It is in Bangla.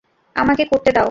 আমাকে করতে দাও।